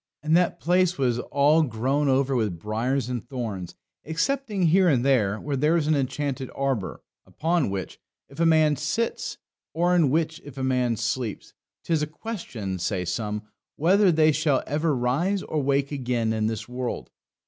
And that place was all grown over with briars and thorns, excepting here and there, where was an enchanted arbour, upon which, if a man sits, or in which if a man sleeps, 'tis a question, say some, whether they shall ever rise or wake again in this world.